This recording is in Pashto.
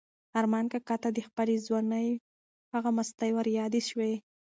ارمان کاکا ته د خپلې ځوانۍ هغه مستۍ وریادې شوې.